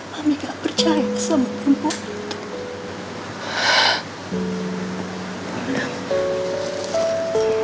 mami gak percaya sama perempuan itu